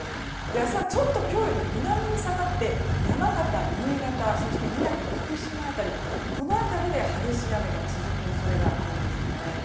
明日はちょっと今日より南に下がって山形、新潟、宮城、福島辺りこの辺りで激しい雨が続く恐れがあるんですね。